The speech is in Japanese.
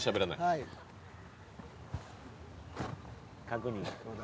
確認。